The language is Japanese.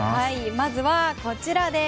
まずはこちらです。